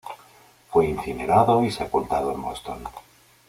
Fue incinerado y sepultado en Boston.